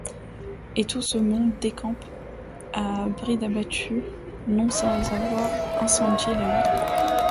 Et tout ce monde décampe à bride abattue non sans avoir incendié la ville.